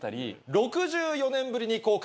６４年ぶりに公開。